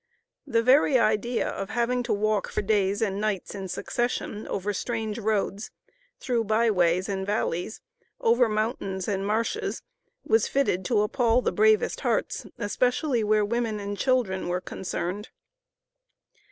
The very idea of having to walk for days and nights in succession, over strange roads, through by ways, and valleys, over mountains, and marshes, was fitted to appal the bravest hearts, especially where women and children were concerned.